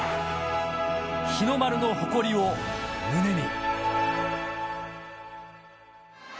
日の丸の誇りを胸に。